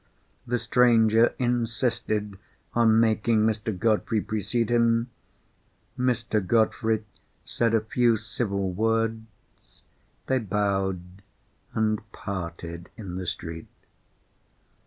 The stranger insisted on making Mr. Godfrey precede him; Mr. Godfrey said a few civil words; they bowed, and parted in the street.